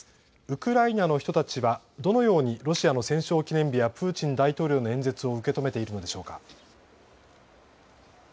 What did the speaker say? ウクライナの人たちはどのようにロシアの戦勝記念日やプーチン大統領の演説を受け止めているんでしょうか。